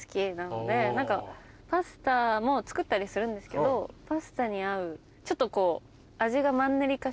パスタも作ったりするんですけどパスタに合うちょっとこう。